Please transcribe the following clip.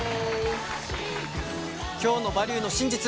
今日の「バリューの真実」